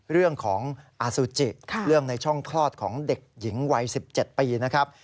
เรื่องของอสุจิเรื่องในช่องคลอดของเด็กหญิงวัย๑๗ปีนะครับ